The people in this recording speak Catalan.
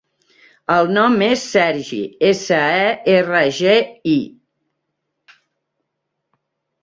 El nom és Sergi: essa, e, erra, ge, i.